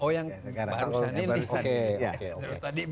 oh yang barusan ini